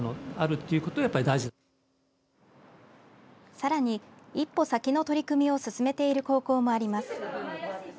さらに一歩先の取り組みを進めている高校もあります。